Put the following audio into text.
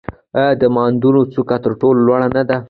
آیا د دماوند څوکه تر ټولو لوړه نه ده؟